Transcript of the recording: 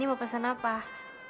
apa youtube vam apalah